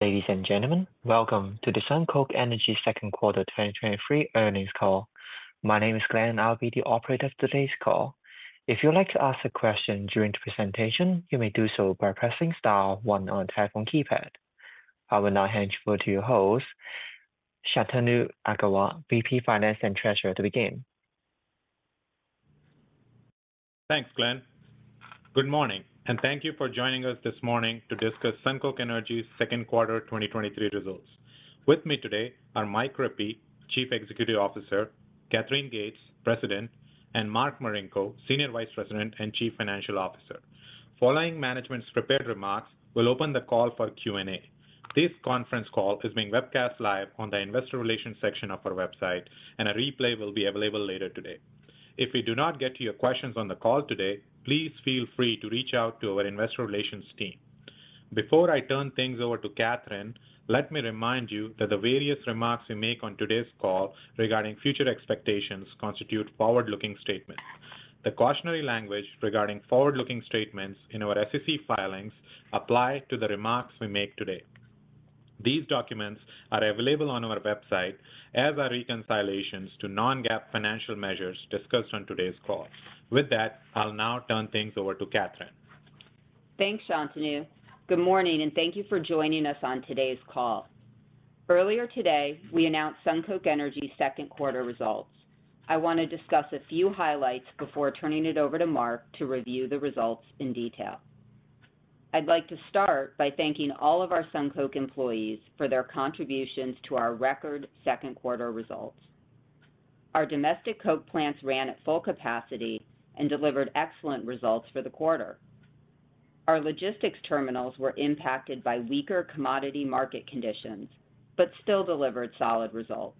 Ladies and gentlemen, welcome to the SunCoke Energy second quarter 2023 earnings call. My name is Glenn, I'll be the operator of today's call. If you'd like to ask a question during the presentation, you may do so by pressing star one on your telephone keypad. I will now hand you over to your host, Shantanu Agrawal, VP Finance and Treasurer, to begin. Thanks, Glenn. Good morning, thank you for joining us this morning to discuss SunCoke Energy's second quarter 2023 results. With me today are Mike Rippey, Chief Executive Officer, Katherine Gates, President, and Mark Marinko, Senior Vice President and Chief Financial Officer. Following management's prepared remarks, we'll open the call for Q&A. This conference call is being webcast live on the investor relations section of our website, and a replay will be available later today. If we do not get to your questions on the call today, please feel free to reach out to our investor relations team. Before I turn things over to Katherine, let me remind you that the various remarks we make on today's call regarding future expectations constitute forward-looking statements. The cautionary language regarding forward-looking statements in our SEC filings apply to the remarks we make today. These documents are available on our website as are reconciliations to non-GAAP financial measures discussed on today's call. With that, I'll now turn things over to Katherine. Thanks, Shantanu. Good morning, thank you for joining us on today's call. Earlier today, we announced SunCoke Energy's second quarter results. I want to discuss a few highlights before turning it over to Mark to review the results in detail. I'd like to start by thanking all of our SunCoke employees for their contributions to our record second quarter results. Our domestic coke plants ran at full capacity and delivered excellent results for the quarter. Our logistics terminals were impacted by weaker commodity market conditions, but still delivered solid results.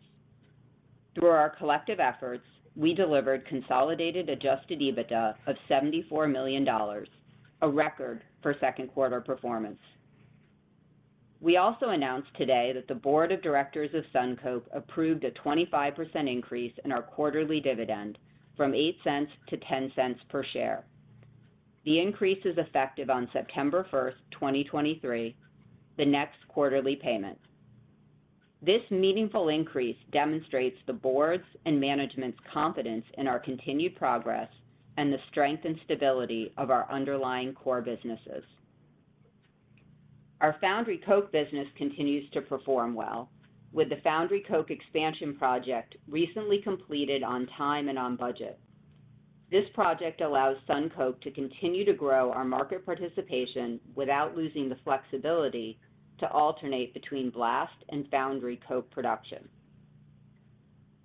Through our collective efforts, we delivered consolidated Adjusted EBITDA of $74 million, a record for second quarter performance. We also announced today that the board of directors of SunCoke approved a 25% increase in our quarterly dividend from $0.08-$0.10 per share. The increase is effective on September 1st, 2023, the next quarterly payment. This meaningful increase demonstrates the board's and management's confidence in our continued progress and the strength and stability of our underlying core businesses. Our foundry coke business continues to perform well, with the foundry coke expansion project recently completed on time and on budget. This project allows SunCoke to continue to grow our market participation without losing the flexibility to alternate between blast and foundry coke production.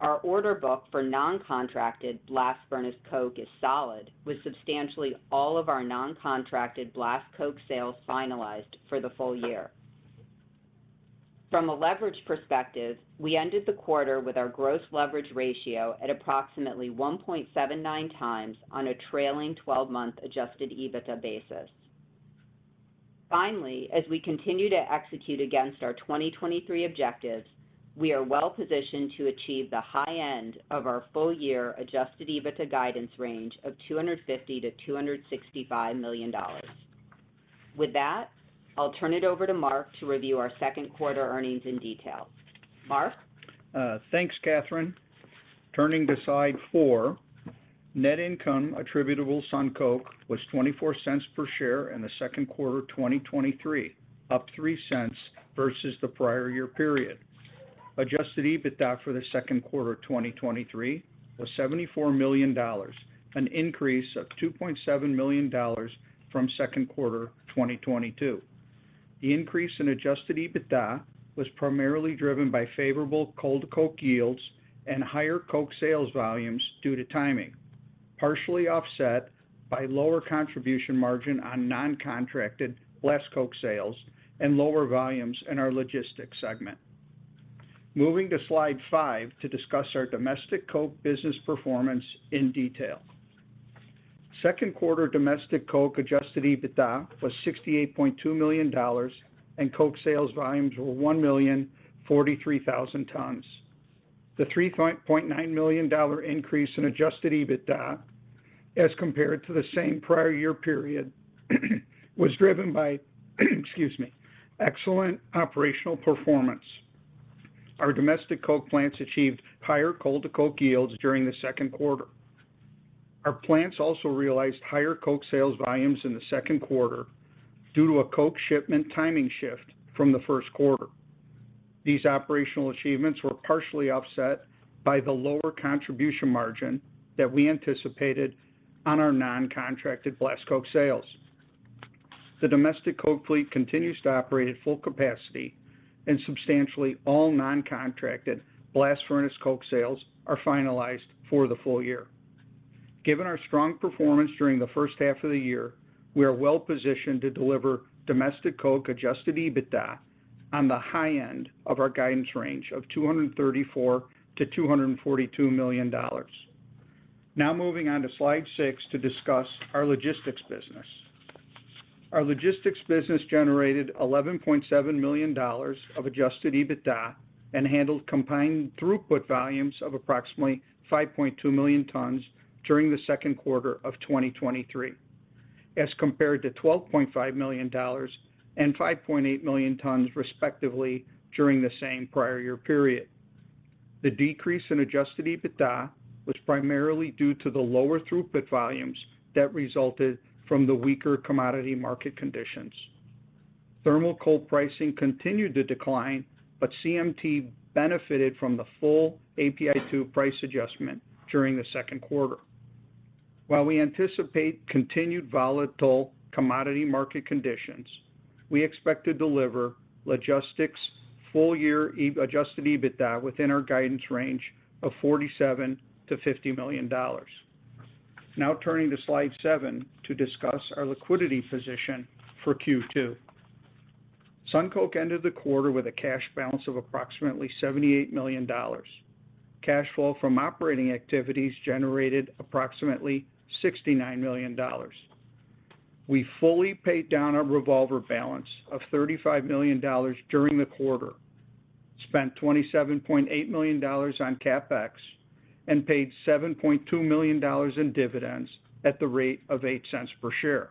Our order book for non-contracted blast furnace coke is solid, with substantially all of our non-contracted blast coke sales finalized for the full year. From a leverage perspective, we ended the quarter with our gross leverage ratio at approximately 1.79 times on a trailing-12-month Adjusted EBITDA basis. Finally, as we continue to execute against our 2023 objectives, we are well positioned to achieve the high end of our full year Adjusted EBITDA guidance range of $250 million-$265 million. With that, I'll turn it over to Mark to review our second quarter earnings in detail. Mark? Thanks, Katherine. Turning to slide four, net income attributable SunCoke was $0.24 per share in the second quarter of 2023, up $0.03 versus the prior year period. Adjusted EBITDA for the second quarter of 2023 was $74 million, an increase of $2.7 million from second quarter 2022. The increase in Adjusted EBITDA was primarily driven by favorable coal-to-coke yields and higher coke sales volumes due to timing, partially offset by lower contribution margin on non-contracted blast coke sales and lower volumes in our logistics segment. Moving to slide five to discuss our domestic coke business performance in detail. Second quarter domestic coke Adjusted EBITDA was $68.2 million, and coke sales volumes were 1,043,000 tons. The $3.9 million increase in Adjusted EBITDA as compared to the same prior year period, was driven by, excuse me, excellent operational performance. Our domestic coke plants achieved higher coal-to-coke yields during the second quarter. Our plants also realized higher coke sales volumes in the second quarter due to a coke shipment timing shift from the first quarter. These operational achievements were partially offset by the lower contribution margin that we anticipated on our non-contracted blast coke sales. The domestic coke fleet continues to operate at full capacity, and substantially all non-contracted blast furnace coke sales are finalized for the full year. Given our strong performance during the first half of the year, we are well positioned to deliver domestic coke Adjusted EBITDA on the high end of our guidance range of $234 million-$242 million. Moving on to slide six to discuss our logistics business. Our logistics business generated $11.7 million of Adjusted EBITDA and handled combined throughput volumes of approximately 5.2 million tons during the second quarter of 2023, as compared to $12.5 million and 5.8 million tons, respectively, during the same prior year period. The decrease in Adjusted EBITDA was primarily due to the lower throughput volumes that resulted from the weaker commodity market conditions. Thermal Coal pricing continued to decline, CMT benefited from the full API 2 price adjustment during the second quarter. While we anticipate continued volatile commodity market conditions, we expect to deliver logistics full-year Adjusted EBITDA within our guidance range of $47 million-$50 million. Turning to slide seven to discuss our liquidity position for Q2. SunCoke ended the quarter with a cash balance of approximately $78 million. Cash flow from operating activities generated approximately $69 million. We fully paid down our revolver balance of $35 million during the quarter, spent $27.8 million on CapEx, and paid $7.2 million in dividends at the rate of $0.08 per share.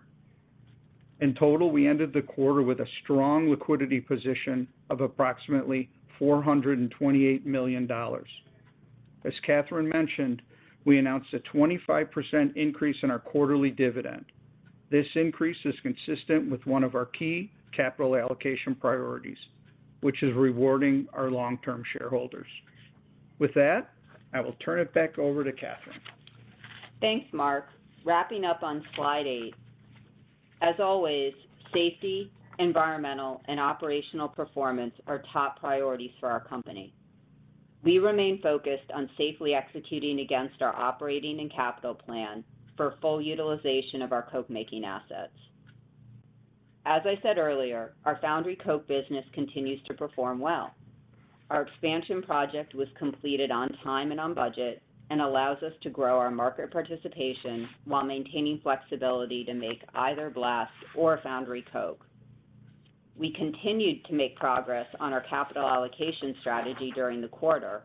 In total, we ended the quarter with a strong liquidity position of approximately $428 million. As Katherine mentioned, we announced a 25% increase in our quarterly dividend. This increase is consistent with one of our key capital allocation priorities, which is rewarding our long-term shareholders. With that, I will turn it back over to Katherine. Thanks, Mark. Wrapping up on slide eight. As always, safety, environmental, and operational performance are top priorities for our company. We remain focused on safely executing against our operating and capital plan for full utilization of our coke-making assets. As I said earlier, our foundry coke business continues to perform well. Our expansion project was completed on time and on budget and allows us to grow our market participation while maintaining flexibility to make either blast or foundry coke. We continued to make progress on our capital allocation strategy during the quarter,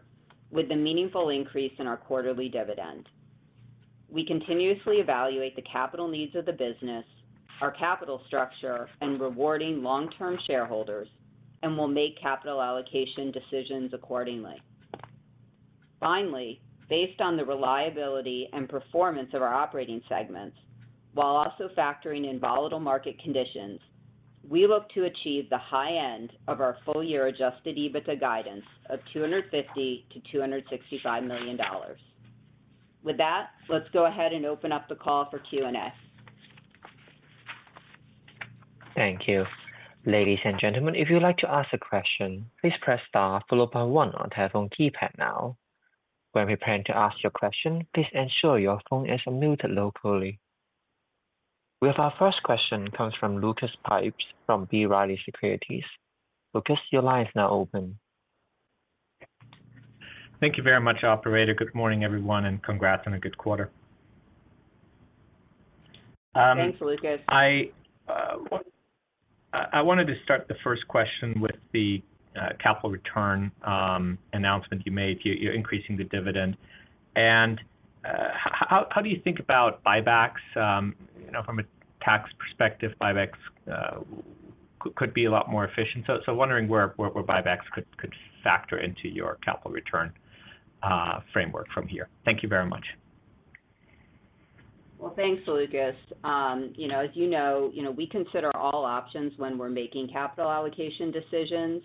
with a meaningful increase in our quarterly dividend. We continuously evaluate the capital needs of the business, our capital structure, and rewarding long-term shareholders, and will make capital allocation decisions accordingly. Finally, based on the reliability and performance of our operating segments, while also factoring in volatile market conditions, we look to achieve the high end of our full-year Adjusted EBITDA guidance of $250 million-$265 million. With that, let's go ahead and open up the call for Q&A. Thank you. Ladies and gentlemen, if you'd like to ask a question, please press star followed by one on your phone keypad now. When preparing to ask your question, please ensure your phone is muted locally. We have our first question comes from Lucas Pipes from B. Riley Securities. Lucas, your line is now open. Thank you very much, operator. Good morning, everyone, and congrats on a good quarter. Thanks, Lucas. I, I wanted to start the first question with the capital return announcement you made. You're increasing the dividend. How, how do you think about buybacks? You know, from a tax perspective, buybacks could be a lot more efficient. Wondering where buybacks could factor into your capital return framework from here. Thank you very much. Well, thanks, Lucas. You know, as you know, you know, we consider all options when we're making capital allocation decisions,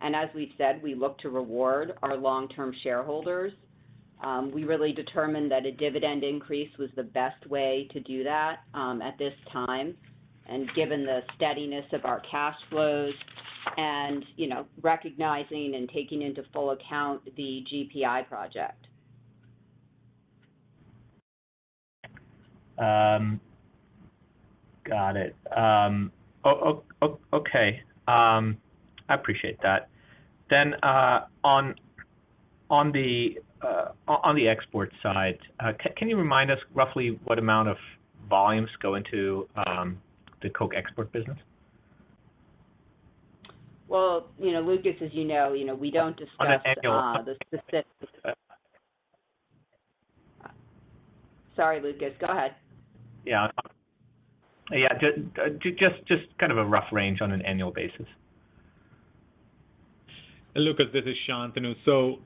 and as we've said, we look to reward our long-term shareholders. We really determined that a dividend increase was the best way to do that, at this time, and given the steadiness of our cash flows and, you know, recognizing and taking into full account the GPI project. Got it. Okay. I appreciate that. On the export side, can you remind us roughly what amount of volumes go into the coke export business? Well, you know, Lucas, as you know, you know, we don't discuss- On an annual- the specifics. Sorry, Lucas, go ahead. Yeah. Yeah, just, just kind of a rough range on an annual basis. Lucas, this is Shantanu.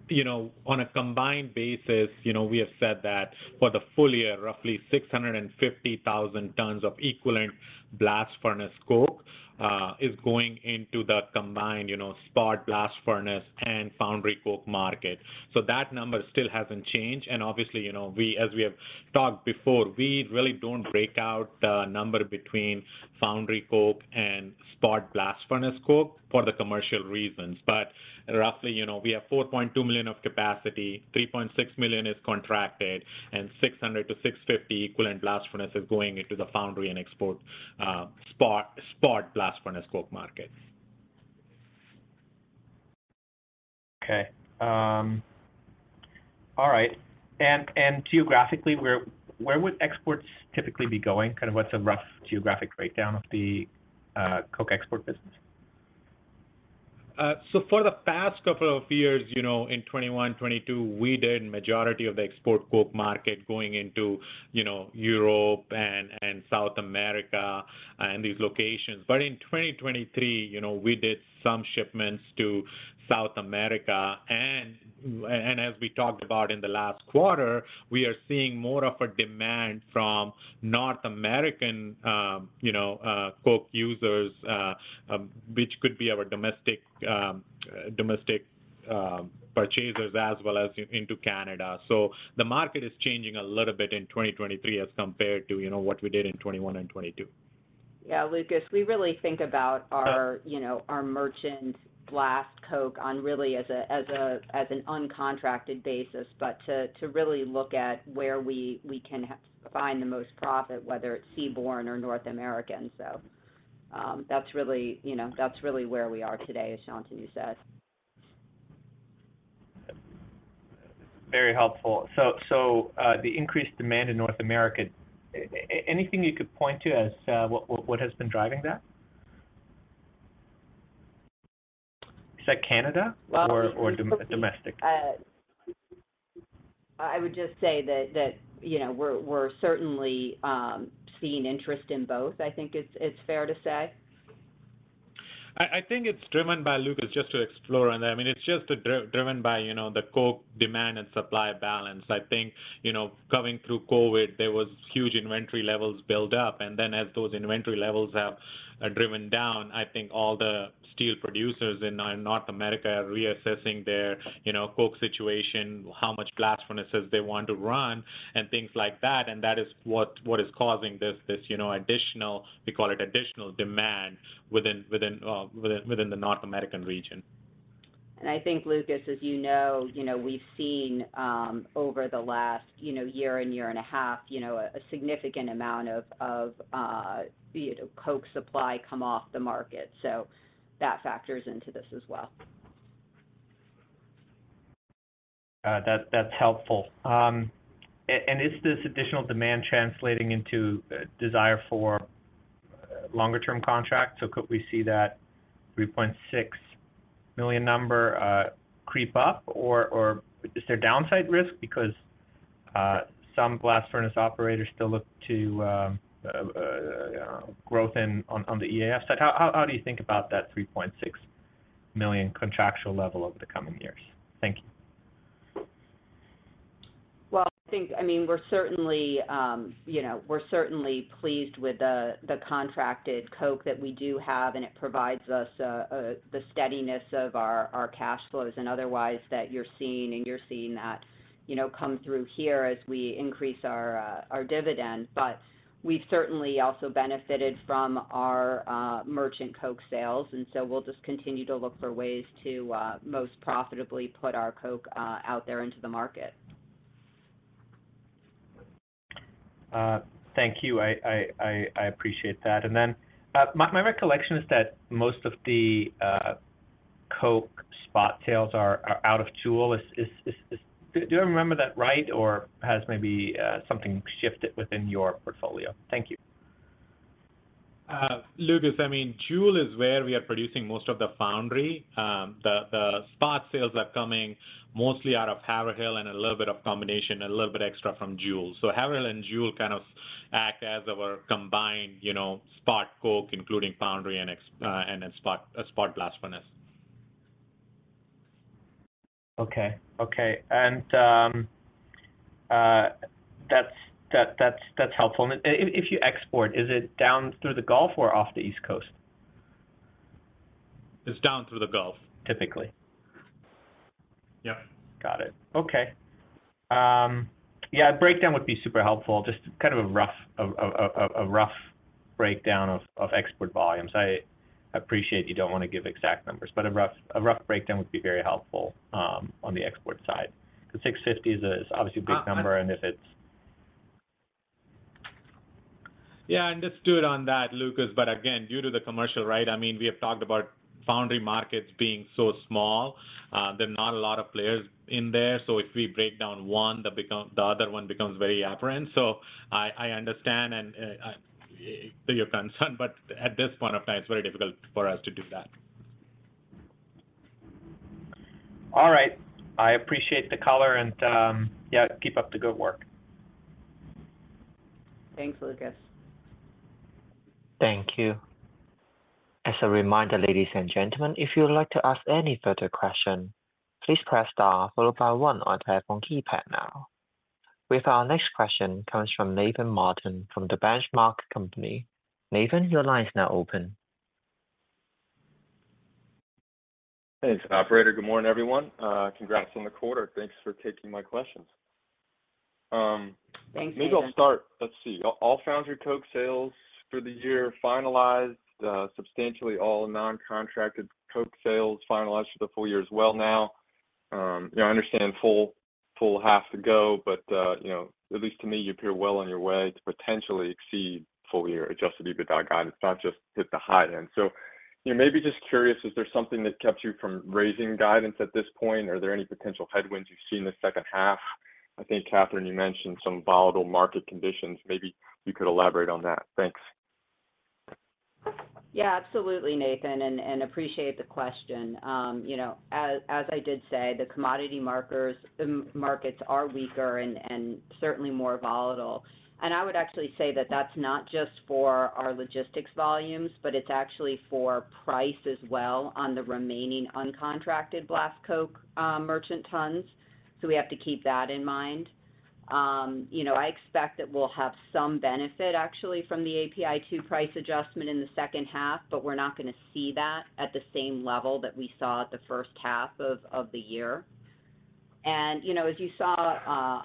You know, on a combined basis, you know, we have said that for the full year, roughly 650,000 tons of equivalent blast furnace coke is going into the combined, you know, spot blast furnace and foundry coke market. That number still hasn't changed, and obviously, you know, we, as we have talked before, we really don't break out the number between foundry coke and spot blast furnace coke for the commercial reasons. Roughly, you know, we have 4.2 million of capacity, 3.6 million is contracted, and 600-650 equivalent blast furnace is going into the foundry and export spot blast furnace coke markets. Okay. All right. Geographically, where, where would exports typically be going? Kind of what's a rough geographic breakdown of the coke export business? For the past couple of years, you know, in 2021, 2022, we did majority of the export coke market going into, you know, Europe and, and South America, and these locations. In 2023, you know, we did some shipments to South America. As we talked about in the last quarter, we are seeing more of a demand from North American, you know, coke users, which could be our domestic, domestic, purchasers as well as into Canada. The market is changing a little bit in 2023 as compared to, you know, what we did in 2021 and 2022. Yeah, Lucas, we really think about our, you know, our merchant blast coke on really as a, as a, as an uncontracted basis, but to really look at where we can find the most profit, whether it's seaborne or North American. That's really, you know, that's really where we are today, as Shantanu said. Very helpful. The increased demand in North America, anything you could point to as, what, what, what has been driving that? Is that Canada or domestic? I would just say that, that, you know, we're, we're certainly seeing interest in both. I think it's, it's fair to say. I, I think it's driven by Lucas, just to explore on that. I mean, it's just driven by, you know, the coke demand and supply balance. I think, you know, coming through COVID, there was huge inventory levels build up, and then as those inventory levels have are driven down, I think all the steel producers in North America are reassessing their, you know, coke situation, how much blast furnaces they want to run, and things like that. That is what, what is causing this, this, you know, additional, we call it additional demand within, within, within, within the North American region. I think, Lucas, as you know, you know, we've seen, over the last, you know, year and year and a half, you know, a significant amount of, of, you know, coke supply come off the market, so that factors into this as well. That, that's helpful. Is this additional demand translating into desire for longer-term contracts? Could we see that 3.6 million number creep up, or is there downside risk because some blast furnace operators still look to growth in on, on the EAF side? How, how, how do you think about that 3.6 million contractual level over the coming years? Thank you. Well, I think I mean, we're certainly, you know, we're certainly pleased with the, the contracted coke that we do have, and it provides us, the steadiness of our, our cash flows and otherwise that you're seeing, and you're seeing that, you know, come through here as we increase our, our dividend. We've certainly also benefited from our, merchant coke sales, and so we'll just continue to look for ways to, most profitably put our coke, out there into the market. Thank you. I appreciate that. My recollection is that most of the coke spot sales are out of Jewell. Do I remember that right? Has maybe something shifted within your portfolio? Thank you. Lucas, I mean, Jewell is where we are producing most of the foundry. The, the spot sales are coming mostly out of Haverhill and a little bit of combination and a little bit extra from Jewell. Haverhill and Jewell kind of act as our combined, you know, spot coke, including foundry and then spot, spot blast furnace. Okay, okay. That's, that, that's, that's helpful. If, if you export, is it down through the Gulf or off the East Coast? It's down through the Gulf. Typically? Yep. Got it. Okay. Yeah, a breakdown would be super helpful. Just kind of a rough breakdown of export volumes. I appreciate you don't want to give exact numbers, but a rough, a rough breakdown would be very helpful on the export side. The 650 is obviously a big number, and if it's... Yeah, understood on that, Lucas. Again, due to the commercial, right, I mean, we have talked about foundry markets being so small. There are not a lot of players in there, if we break down one, the become-- the other one becomes very apparent. I, I understand and your concern, at this point in time, it's very difficult for us to do that. All right. I appreciate the color and, yeah, keep up the good work. Thanks, Lucas. Thank you. As a reminder, ladies and gentlemen, if you would like to ask any further question, please press Star followed by one on your phone keypad now. We have our next question comes from Nathan Martin from The Benchmark Company. Nathan, your line is now open. Thanks, operator. Good morning, everyone. Congrats on the quarter. Thanks for taking my questions. Thank you. Maybe I'll start. Let's see, all foundry coke sales for the year finalized, substantially all non-contracted coke sales finalized for the full-year as well now. You know, I understand full, full-half to go, but, you know, at least to me, you appear well on your way to potentially exceed full-year Adjusted EBITDA guidance, not just hit the high end. You know, maybe just curious, is there something that kept you from raising guidance at this point? Are there any potential headwinds you've seen in the second half? I think, Katherine, you mentioned some volatile market conditions. Maybe you could elaborate on that. Thanks. Yeah, absolutely, Nathan, and appreciate the question. You know, as, as I did say, the commodity markets are weaker and, and certainly more volatile. I would actually say that that's not just for our logistics volumes, but it's actually for price as well on the remaining uncontracted blast coke merchant tons. We have to keep that in mind. You know, I expect that we'll have some benefit actually from the API 2 price adjustment in the second half, but we're not gonna see that at the same level that we saw at the first half of the year. You know, as you saw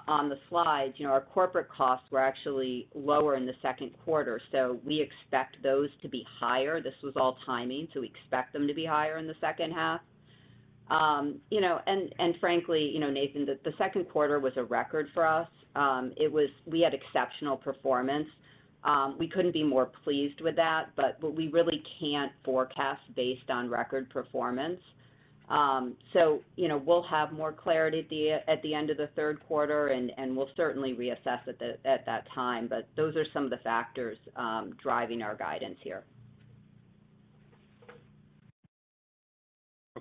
on the slides, you know, our corporate costs were actually lower in the second quarter, so we expect those to be higher. This was all timing, so we expect them to be higher in the second half. You know, and frankly, you know, Nathan, the second quarter was a record for us. We had exceptional performance. We couldn't be more pleased with that, but what we really can't forecast based on record performance. You know, we'll have more clarity at the end of the third quarter, and we'll certainly reassess at that time. Those are some of the factors driving our guidance here.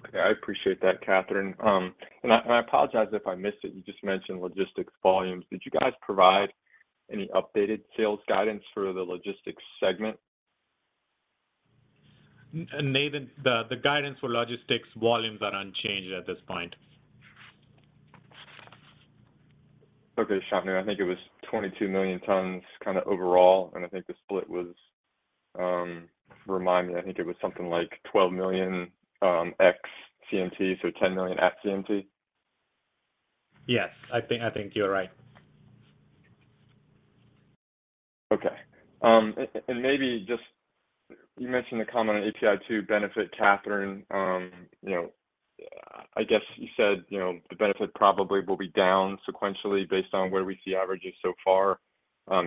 Okay. I appreciate that, Katherine. I apologize if I missed it. You just mentioned logistics volumes. Did you guys provide any updated sales guidance for the logistics segment? Nathan, the, the guidance for logistics volumes are unchanged at this point. Okay, Shantanu. I think it was 22 million tons kind of overall, and I think the split was, remind me, I think it was something like 12 million, ex-CMT, so 10 million at CMT? Yes. I think, I think you're right. Okay. And maybe just... You mentioned the comment on API 2 benefit, Catherine. You know, I guess you said, you know, the benefit probably will be down sequentially based on where we see averages so far.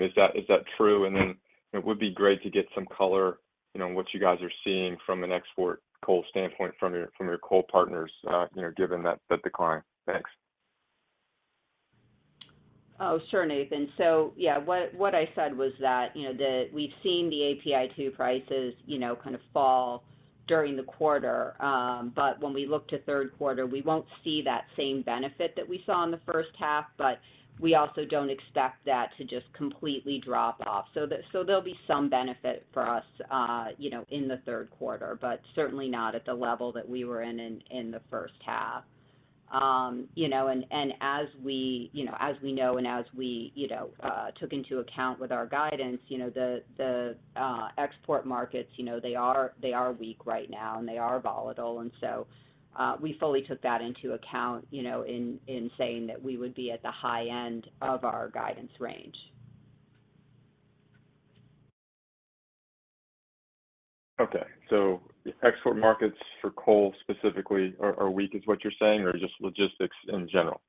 Is that, is that true? And then it would be great to get some color, you know, on what you guys are seeing from an export coal standpoint from your, from your coal partners, you know, given that, that decline. Thanks. Oh, sure, Nathan. Yeah, what, what I said was that, you know, we've seen the API 2 prices, you know, kind of fall during the quarter. When we look to third quarter, we won't see that same benefit that we saw in the first half, but we also don't expect that to just completely drop off. There'll be some benefit for us, you know, in the third quarter, but certainly not at the level that we were in, in, in the first half. You know, and as we, you know, as we know and as we, you know, took into account with our guidance, you know, the, the, export markets, you know, they are, they are weak right now, and they are volatile. We fully took that into account, you know, in, in saying that we would be at the high end of our guidance range. Okay. The export markets for coal specifically are, are weak, is what you're saying, or just logistics in general?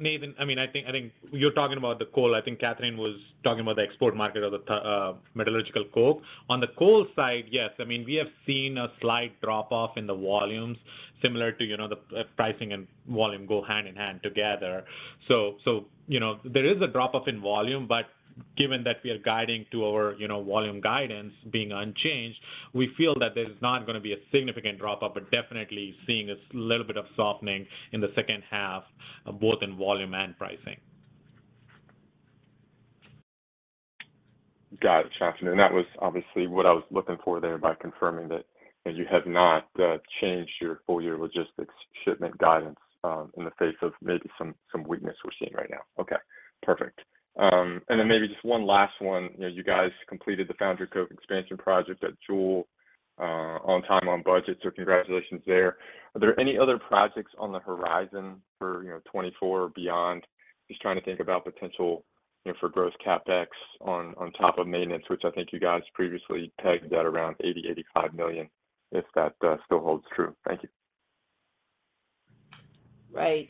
Nathan, I mean, I think, I think you're talking about the coal. I think Katherine was talking about the export market of the metallurgical coke. On the coal side, yes. I mean, we have seen a slight drop-off in the volumes, similar to, you know, the pricing and volume go hand-in-hand together. You know, there is a drop-off in volume, but given that we are guiding to our, you know, volume guidance being unchanged, we feel that there's not going to be a significant drop-off, but definitely seeing a little bit of softening in the second half, both in volume and pricing. Got it, Shantanu. That was obviously what I was looking for there by confirming that, that you have not changed your full year logistics shipment guidance in the face of maybe some weakness we're seeing right now. Okay. Perfect. Then maybe just one last one. You know, you guys completed the foundry coke expansion project at Jewell on time, on budget, so congratulations there. Are there any other projects on the horizon for, you know, 2024 or beyond? Just trying to think about potential, you know, for growth CapEx on top of maintenance, which I think you guys previously tagged at around $80 million-$85 million, if that still holds true. Thank you. Right.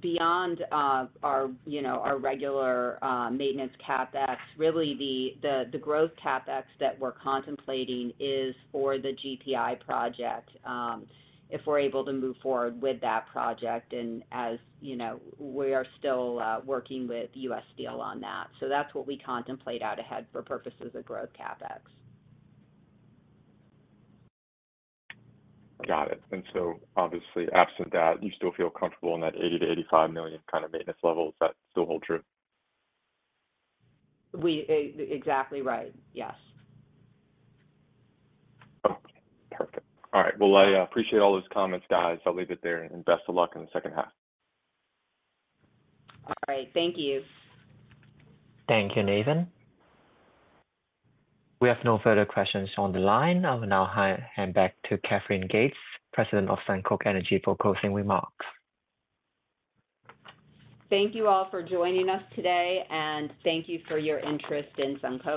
Beyond, our, you know, our regular, maintenance CapEx, really the, the, the growth CapEx that we're contemplating is for the GPI project, if we're able to move forward with that project. As you know, we are still, working with US Steel on that. That's what we contemplate out ahead for purposes of growth CapEx. Got it. Obviously, absent that, you still feel comfortable in that $80 million-$85 million kind of maintenance levels. Does that still hold true? We. Exactly right. Yes. Okay, perfect. All right. Well, I appreciate all those comments, guys. I'll leave it there, and best of luck in the second half. All right. Thank you. Thank you, Nathan. We have no further questions on the line. I will now hand, hand back to Katherine Gates, President of SunCoke Energy, for closing remarks. Thank you all for joining us today, and thank you for your interest in SunCoke.